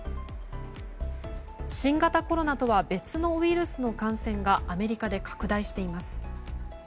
新型コロナとは別のウイルスの感染がアメリカで拡大しています。